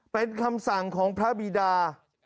เป็นคำสั่งของพระบีดา